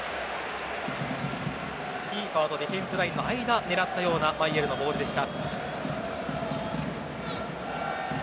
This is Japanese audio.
キーパーとディフェンスラインの間を狙ったようなマイェルのボールでした。